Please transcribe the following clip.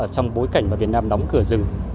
trong bối cảnh mà việt nam đóng cửa rừng